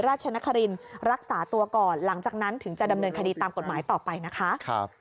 ราชนครินรักษาตัวก่อนหลังจากนั้นถึงจะดำเนินคดีตามกฎหมายต่อไปนะคะ